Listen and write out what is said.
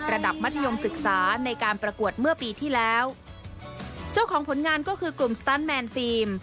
ระดับมัธยมศึกษาในการประกวดเมื่อปีที่แล้วโจทย์ของผลงานก็คือกลุ่ม